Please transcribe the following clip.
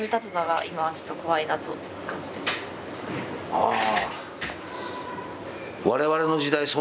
ああ。